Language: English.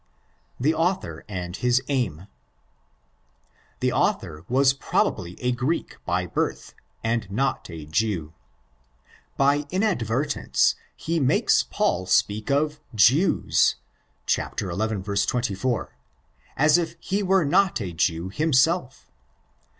The Author and his Aim. The author was probably a Greek by birth and not 8 Jew. By inadvertence he makes Paul speak of '"' Jews "' (xi. 24) as if he were not a Jew himself.